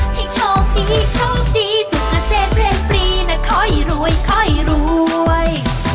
ให้ชอบดีชอบดีสุขเศษเพลงปรีน่ะคอยรวยคอยรวย